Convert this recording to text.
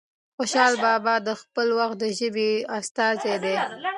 خوشال بابا د خپل وخت د ژبې استازی دی.